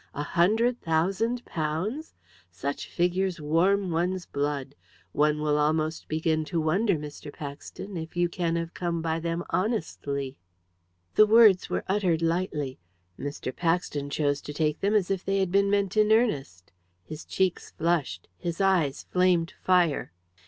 A hundred thousand pounds! Such figures warm one's blood. One will almost begin to wonder, Mr. Paxton, if you can have come by them honestly." The words were uttered lightly. Mr. Paxton chose to take them as if they had been meant in earnest. His cheeks flushed. His eyes flamed fire.